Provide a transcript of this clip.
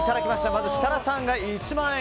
まず、設楽さんが１万円。